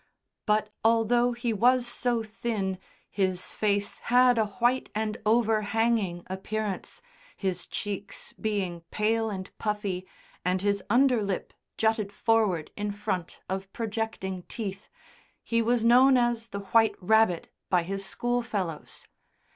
But although, he was so thin his face had a white and overhanging appearance, his cheeks being pale and puffy and his under lip jutted forward in front of projecting teeth he was known as the "White Rabbit" by his schoolfellows.